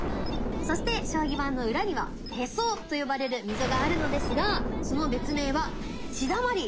そして将棋盤の裏には「へそ」と呼ばれる溝があるのですがその別名は「血だまり」！